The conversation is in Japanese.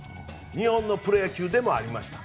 日本のプロ野球でもありました。